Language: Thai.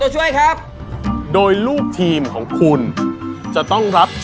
๓แชมกินได้หมดน่ะ